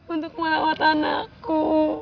untuk merawat anakku